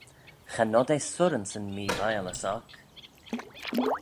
Cha nod eh surranse yn mee-viallys oc.